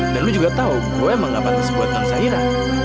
dan lo juga tahu gue emang nggak pantas buatkan zaira